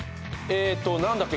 えっと。